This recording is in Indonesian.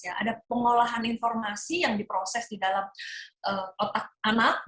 ada pengolahan informasi yang diproses di dalam otak anak